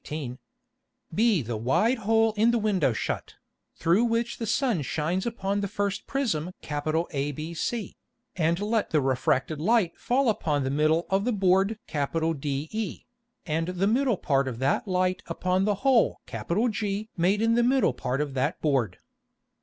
] be the wide hole in the Window shut, through which the Sun shines upon the first Prism ABC, and let the refracted Light fall upon the middle of the Board DE, and the middle part of that Light upon the hole G made in the middle part of that Board.